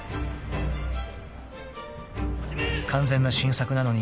［完全な新作なのに］